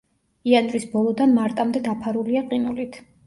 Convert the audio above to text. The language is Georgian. იანვრის ბოლოდან მარტამდე დაფარულია ყინულით.